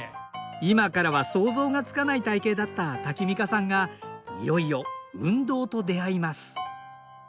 今からは想像がつかない体型だったタキミカさんがいよいよ運動と出会います